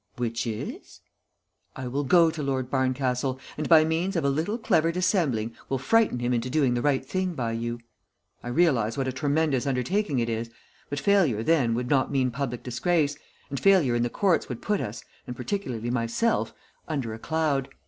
"Which is?" "I will go to Lord Barncastle, and by means of a little clever dissembling will frighten him into doing the right thing by you. I realize what a tremendous undertaking it is, but failure then would not mean public disgrace, and failure in the courts would put us, and particularly myself, under a cloud.